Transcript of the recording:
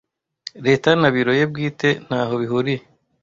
Leta na Biro ye Bwite ntaho bihuriye